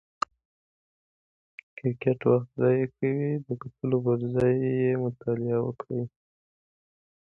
کرکټ وخت ضایع کوي، د کتلو پر ځای یې مطالعه وکړئ!